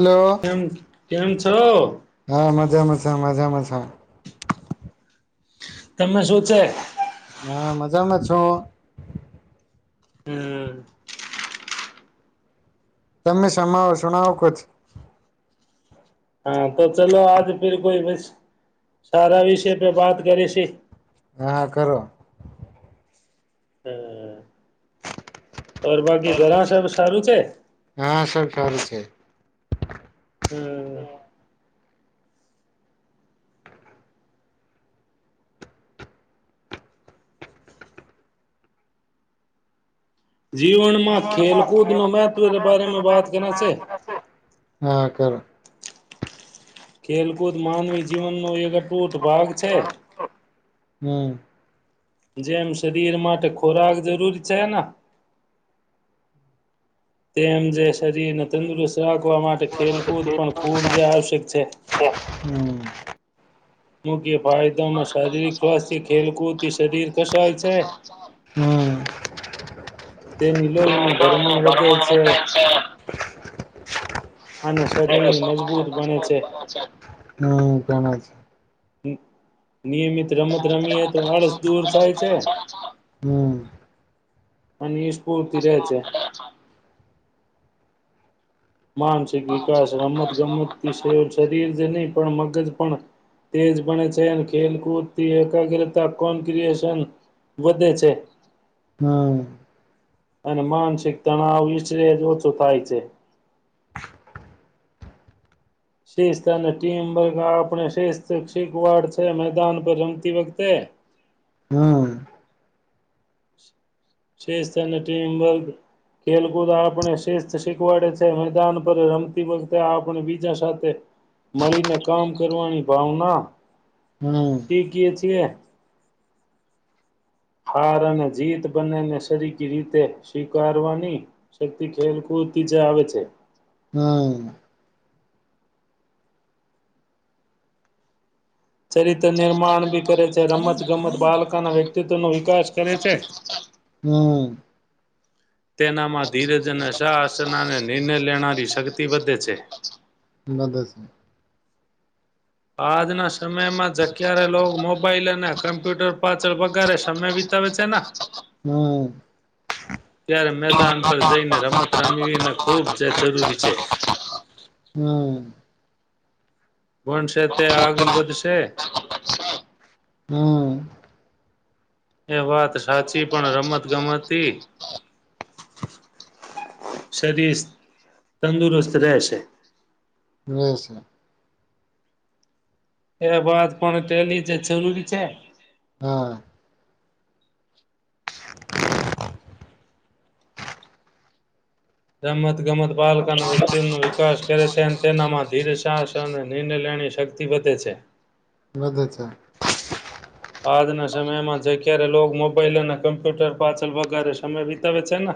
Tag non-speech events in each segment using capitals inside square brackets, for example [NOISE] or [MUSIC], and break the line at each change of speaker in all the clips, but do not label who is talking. Hello
કેમ-કેમ છો?
મજા-મજા-મજા.
તમે શું છે?
તો
હમ્મ.
તમે સમાવો સુણાવો કુછ.
હા તો ચલો આજ ફિર કોઈ વિસ સારા વિષય પે વાત કરીશી.
હા કરો.
હમ્મ. ઓર બાકી ઘરા સબ સારું છે?
હા સર સારું છે
હમ્મ. જીવનમાં ખેલકૂદ નો મહત્વ કે બારેમે બાત કરના છે.
હા કરો
ખેલકૂદ માનવી જીવનનો એક અટૂટ ભાગ છે.
હમ
જેમ શરીર માટે ખોરાક જરૂર છે ના તેમ જે સ શરીર ને તંદુરસ્ત રાખવા માટે ખેલકૂદ પણ ખૂબ જ આવશ્યક છે.
હમ
[UNINTELLIGIBLE] ફાયદામાં શારીરિક સ્વાસ્થી ખેલકૂદ થી શરીર કસાય છે.
હમ
તેની લોહીનું ભરમણ વધે છે, અને શરીર મજબૂત બણે છે.
હમ ઘણા છે
એક નિયમિત રમત રમીએ તો આળસ દૂર જાય છે.
હમ
અનીસ
[INAUDIBLE]
માનસિક વિકાસ રમત ગમતથી સે શરીર છે ને પણ મગજ પણ તેજ બને છે, અને ખેલકૂદથી એકાગ્રતા કોન્ક્રિએશન વધે છે.
હા.
અને માનસિક તણાવ [UNINTELLIGIBLE] ઓછો થાય છે. શિસ્ત અને ટીમ વગ આપણે શિસ્ત શીખવાડ છે મેદાન પર રમતી વખતે.
હમ્મ.
શિસ્ત અને ટીમવર્ગ ખેલકૂદ આપણે શિસ્ત શીખવાડે છે મેદાન પર રમતી વખતે, આપણે બીજા સાથે મળીને કામ કરવાની ભાવના
હમ
ઠીક કયે છ તે હાર અને જીત બંનેને સરીક રીતે સ્વીકારવાની શક્તિ ખેલકૂદથી જ આવે છે.
હા.
ચરિત્ર નિર્માણ બી કરે છે. રમત ગમત બાળકાના વ્યક્તિત્વ નો વિકાસ કરે છે.
હમ્મ.
તેનામાં ધીરજ અને સાહસનાને નિર્ણય લેનારી શક્તિ વધે છે.
[UNINTELLIGIBLE]
આજના સમયમાં જ ક્યારે લોકો મોબાઈલ અને કમ્પ્યુટર પાછળ વગારે સમય વિતાવે છે ને
હમ્મ.
ત્યારે મેદાન પર જઈને રમત રમીને ખૂબ જ જરૂરી છે.
હમ
ભણશે તે આગલ વધશે
હમ
એ વાત સાચી પણ રમત ગમતથી શરીસ તંદુરસ્ત રહેશે
[UNINTELLIGIBLE]
એ બાદ પણ તેની જે જરૂરી છે
હા
રમતગમત બાલકના વ્યક્તિનો વિકાસ કરે છે અન તેનામાં ધીર સાસ અને નિર્ણય લેવાની શક્તિ વધે છે.
બધું છે
આજના સમયમાં જે ક્યારે લોગ મોબાઈલ અને કમ્પ્યુટર પાછળ વગારે સમય વિતાવે છે ને,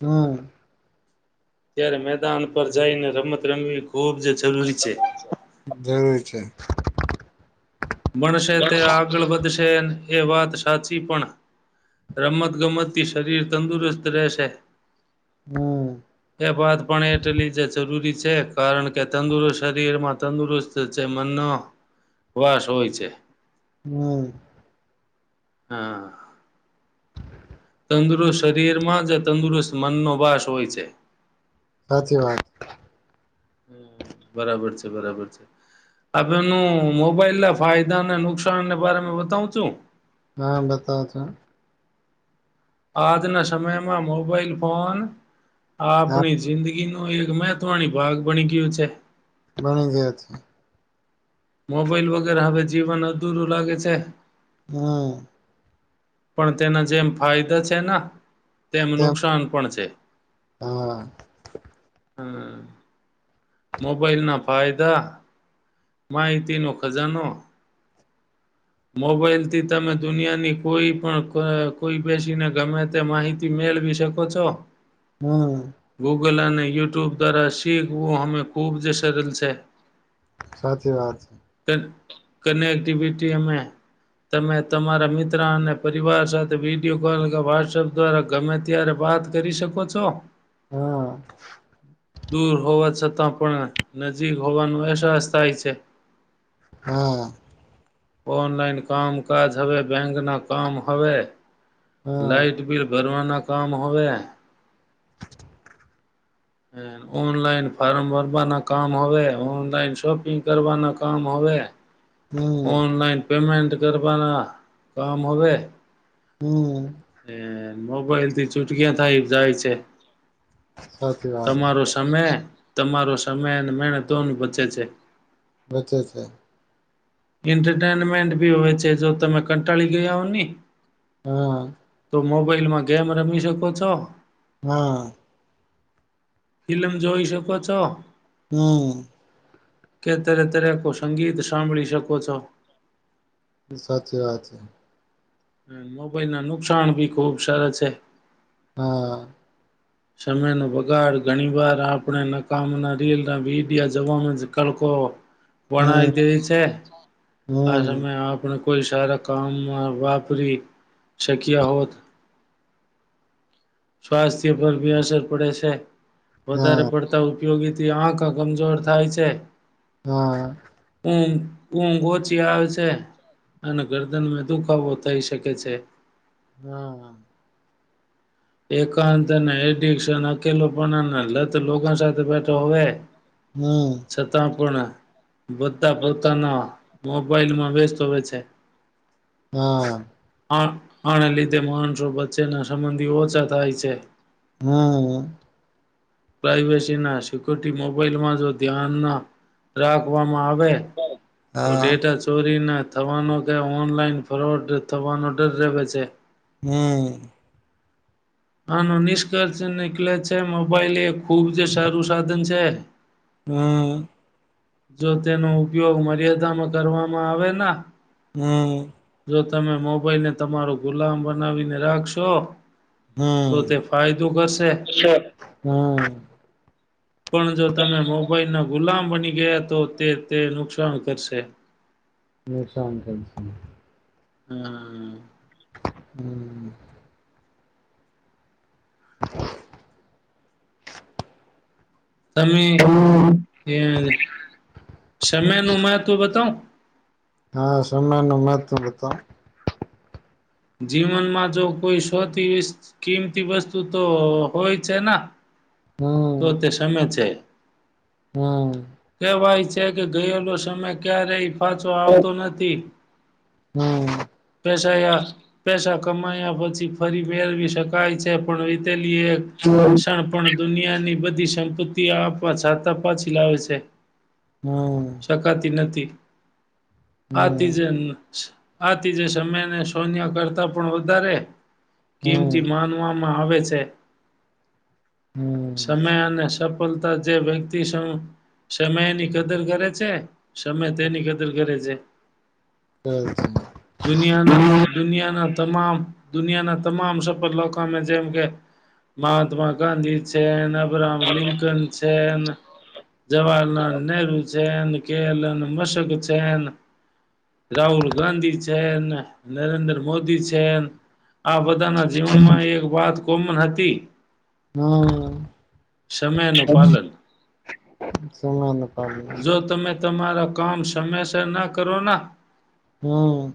હમ
ત્યારે મેદાન પર જઈને રમત રમવી ખૂબ જ જરૂરી છે.
વી છે.
મળશે તે આગળ વધશે એ વાત સાચી, પણ રમત ગમતથી શરીર તંદુરસ્ત રહેશે
હમ
એ વાત પણ એટલી જ જરૂરી છે, કારણ કે તંદુરસ્ત શરીરમાં તંદુરસ્ત છે મનનો વાસ. હોય છે.
હમ
હા. તંદુરસ્ત શરીરમાં જ તંદુરસ્ત મનનો વાસ હોય છે.
સાચી વાત.
હં, બરાબર છે, બરાબર છે, અવેનું મોબાઈલના ફાયદા ને નુકસાન ને બારામાં બતાવું છું.
હા બતાવ જો ન
આજના સમયમાં મોબાઈલ ફોન
હા
આપણી જિંદગીની એક મહત્વણી ભાગ બણી ગયું છે.
બની ગયો છે.
મોબાઈલ વગેરે હવે જીવન અધૂરું લાગે છે.
હા.
પણ તેના જેમ ફાયદા છે ન તેમ નુકસાન પણ છે.
હા
હમ્મ, મોબાઈલના ફાયદા માહિતીનો ખજાનો મોબાઈલ થી તમે દુનિયાની કોઈ પણ કો કોઈ બેસીને ગમે તે માહિતી મેળવી શકો છો
હં.
ગૂગલ અને યુટ્યુબ દ્વારા શીખવું હમે ખૂબ જ સરલ છે.
સાચી વાત છે.
કનેક્ટિવિટી અમે તમે તમારા મિત્ર અને પરિવાર સાથે વિડીયો કોલ અથા વોટ્સઅપ દ્વારા ગમે ત્યારે વાત કરી શકો છો.
હા
દૂર હોવા છ તા પણ નજીક હોવાનો અહેસાસ થાય છે.
હા.
ઓનલાઈન કામકાજ હવે બેંકના કામ હવે
હા
લાાઈટ બિલ ભરવાના કામ હોય. હં, ઓનલાઈન ફારર્મ ભરવાના કામ હવે ઓનલાઈન શોપિંગ કરવાના કામ હવે
હમ
ઓનલાઈન પેમેન્ટ કરવાના કામ હવે
હમ્મ.
એ મોબાઈલ થી ચુટકી થાય જાય છે.
સાચી વાત
તમારો સમય તમારો. સમય અને મહેનત દોનું બચે છે.
બચે છે.
એન્ટરટેનમેન્ટ ભી હોય છે જો તમે કંટાળી ગયા હો ને
હા
મોબાઈલમાં ગેમ રમી શકો છો.
હા
ફિલ્લમ જોઈ શકો છો.
હમ્મ -
કે તરે તરે કો સંગીત સાંભળી શકો - પુછો
સાચી વાત છે.
હ મોબાઈલના નુકસાન ભી ખુબ સારા છે
હા
સમયનો બગાડ ઘણી વાર આપણે નકામના રીલના વિડિયા જવામાં જ કલકો વણાવ
હમ
દેવી છે આ
હમ
સમય આપણુ કોઈ સારા કામ મા વાપ શકીયા હોત સ્વાસ્થ્ય પર બી અસર પડે છે. વધારે
હા
પડતા ઉપયોગી તે આખા કમજોર થાય છે.
હા
ઊંઘ ઊંઘ ઓછી આવે છે અને ગરદન મે દુખાવો થઈ શકે છે.
હા
એકાંત અને એડિકશન અકેલોપણા લત લોકો સાથે બેઠો હવે
હમ
છતાં પણ બધા પોતાના મોબાઈલમાં વ્યસ્ત હોય છે
હા
આને લીધે માણસો વચ્ચેના સંબંધીઓ છ થાય છે
હા
પ્રવેસી ના સિકરિટી મોબાઈલમાં જો ધ્યાન ના રાખવામાં આવે તો
હા
ડેટા ચોરી ના થવાનો કે ઓનલાઈન ફ્રોડ થવાનો ડર રવે છે
હમ્મ
આનો નિષ્કર્ષ નીક્લે છે મોબાઈલ એ ખુબ જ સારું સાધન છે
હમ્મ
જો તેનો ઉપયોગ મર્યાદામાં કરવામાં આવે ના
હમ્મ
જો તમે મોબાઈલ ને તમારો ગુલામ બનાવીને રાખશો તો
હમ
તે ફાયદો કરશે
હમ
પણ જો તમે મોબાઈલ ના ગુલામ બની ગયા તો તે તે નુકસાન કરશે
નુકશાન કરશે
હમ્મ.
હમ્મ. [INAUDIBLE]
તમે
છે હમ
સમેનુ મહત્વ બતાવ.
હા સમેનુ મહત્વ બતાવ.
જીવનમાં જો કોઈ સોતી કિંમતી વસ્તુ તો હોય છેન.
હમ
તો તે સમે છે.
હમ
કેવાય છ. ત કે ગયેલો સમય ક્યાં રહી. પાછો આવતો નથી
હમ
પસા યા. પેસા કમાયા પછી ફરી વાર વીશ કાય છે પણ રીતેલ એ
હમ
ક્ષણપ દુનિયાની બધ સંપત્તિ આપા છાતા પાછી લાવે છે. શકાતી નથી. આ
હમ
તીજ ન આતીજે સમે સોનિયા કરતા પણ વધારે
હમ
કિમતી માનવા. માં આવે છે.
હમ
સમય અને સપ ફતા જે વ્યક્તિ સમ સમય ની કદર કરે છે. સમય તેની કદર કરે છે.
હ.
દુનિયાના
[UNINTELLIGIBLE]
દુનિયાના તમામ દુનિયાના તમામ શપથ લોકો જેમ કે મહાત્મા ગાંધી છે ને એબ્રામ લિંકન છેન. જવાહરલાલ નેહરુ છે કેલન મશક છે રાહુલ ગાંધી છેન. નરેન્દ્ર મોદી છેન. આ બધાના જીવનમાં એક વાત ગુંમહ હતી. સમયનું
હમ્મ
પાલન
સમય નુ પાલન.
તમાર કામ સમયસર ના કરો ના.
હમ્મ.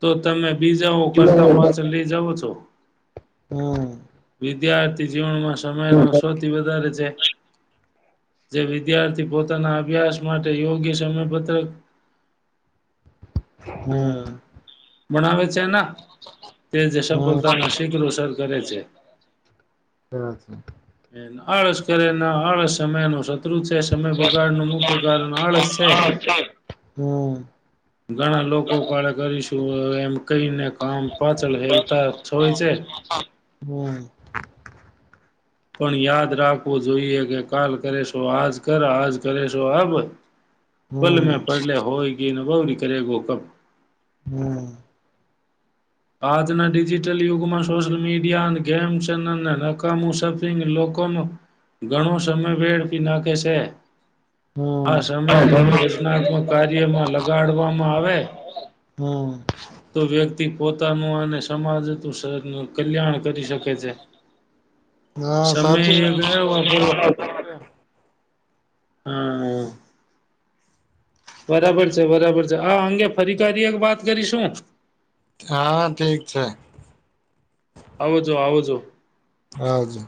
તો તમે બીઝાઓ કરતાં પાછળ લઈ જાવો છો.
હા
વિદ્યાર્થી જીવનમાં. સમયનો સૌથી વધારે છે. જે વિદ્યાર્થી પોતાના અભ્યાસ માટે યોગ્ય સમયપત્રક.
હમ્મ
બનાવે. બનાવે છે ના તે જ
હમ હમ હમ હમ
સફલતાના શીખરો સર કરે છે.
હમ
આળસ કરે ના આળસ સમય નો સમય બગાડ નો મુખ્ય કારણ આળસ છે ઘણા લોકો કાળે કરીશુ એમ કહીને કામ પાછળ હેલતા છો હોય છે. પણ યાદ રાખવું જોઈએ કે કાલ કરેશો આજ કર આજ કરે છો અબ પલે મેં પડલે્યા હોય ગઈ એ ન. બવ ની કરેગો કબ
હમ્મ
આજના ડિજિટલ યુગમાં સોશિયલ મીડિયા અને ગેમ ચેનલ અને નકામુ શફિંગ લોકોનો ઘણો સમય વેળપી નાખે છે. આ સમયે જો કોઈ રચનાત્મક. કાર્યમાં લગાડવામાં આવે તો વ્યક્તિ. પોતાનું અને સમાજતું શેહેરનું કલ્યાણ કરી શકે છે.
હા
સમય
સાચી.
એ ગયો વાપરવા હા હ. બરાબર છે બરાબર છે આ અંગે ફરી કરી એક વાત કરી શું.
હા ઠીક છે.
આવજો આવજો.
આવજો